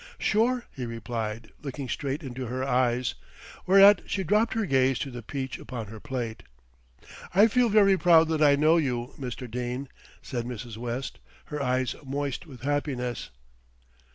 "Sure," he replied, looking straight into her eyes, whereat she dropped her gaze to the peach upon her plate. "I feel very proud that I know you, Mr. Dene," said Mrs. West, her eyes moist with happiness.